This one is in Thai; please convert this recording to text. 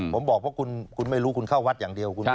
ผมบอกว่าคุณไม่รู้คุณเข้าวัดอย่างเดียว